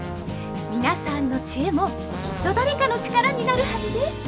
皆さんのチエもきっと誰かの力になるはずです！